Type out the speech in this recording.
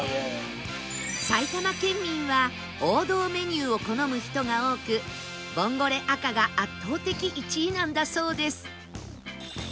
埼玉県民は王道メニューを好む人が多くボンゴレ赤が圧倒的１位なんだそうです